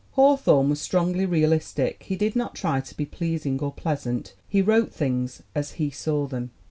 Hawthorne was strongly realistic. He did not try to be pleasing or pleasant. He wrote things as he saw them.